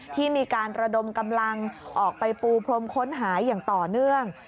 ที่มีการระดมกำลังออกไปปูพรมค้นหาอย่างต่อเนื่อง